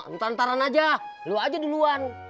ntar nataran aja lo aja duluan